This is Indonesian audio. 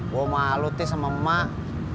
gue malu sama mak